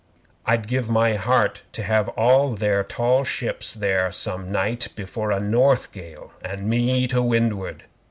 I'd give my heart to have all their tall ships there some night before a north gale, and me to windward.